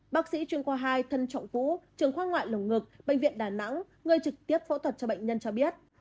bác sĩ chuyên khoa hai thân trọng vũ trường khoa ngoại lồng ngực bệnh viện đà nẵng người trực tiếp phẫu thuật cho bệnh nhân cho biết